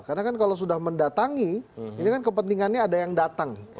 karena kan kalau sudah mendatangi ini kan kepentingannya ada yang datang